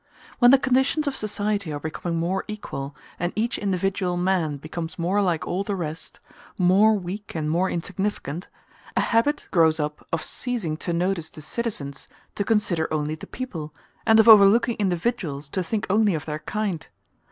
When the conditions of society are becoming more equal, and each individual man becomes more like all the rest, more weak and more insignificant, a habit grows up of ceasing to notice the citizens to consider only the people, and of overlooking individuals to think only of their kind.